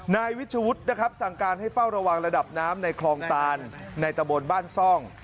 นายวิชวุฒินะครับสั่งการให้เฝ้าระวังระดับน้ำในคลองตานในตะบนบ้านซ่อง